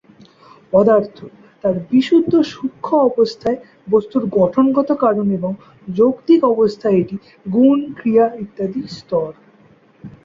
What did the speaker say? পদার্থ, তার বিশুদ্ধ সূক্ষ্ম অবস্থায় বস্তুর গঠনগত কারণ, এবং যৌক্তিক অবস্থায় এটি গুণ, ক্রিয়া ইত্যাদির স্তর।